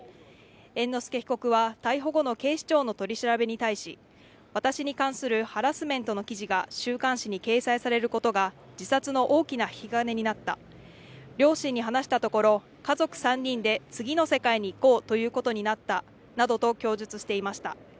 猿之助被告は逮捕後の警視庁の取り調べに対し私に関するハラスメントの記事が週刊誌に掲載されることが自殺の大きな引き金になった両親に話したところ家族３人で次の世界に行こうということになったなどと供述していました